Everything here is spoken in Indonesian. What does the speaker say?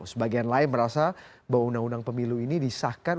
sebagian lain merasa bahwa undang undang pemilu ini disahkan